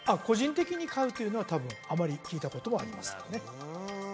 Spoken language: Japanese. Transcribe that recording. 個人的に飼うというのは多分あまり聞いたことはありませんね